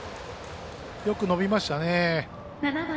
よく伸びましたね。